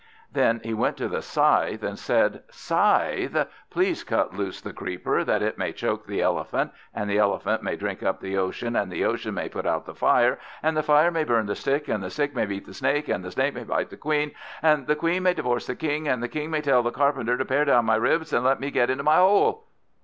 Then he went to the Scythe, and said, "Scythe, please cut loose the Creeper, that it may choke the Elephant, and the Elephant may drink up the Ocean, and the Ocean may put out the Fire, and the Fire may burn the Stick, and the Stick may beat the Snake, and the Snake may bite the Queen, and the Queen may divorce the King, and the King may tell the Carpenter to pare down my ribs, and let me get into my hole."